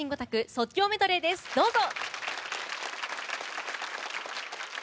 即興メドレー、どうぞ。